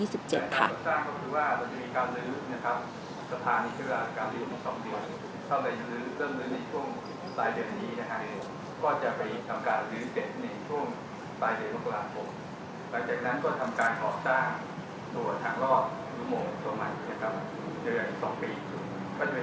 ก็จะทำการออกสร้างหัวถังรอบหัวโมงตรงมันนะครับ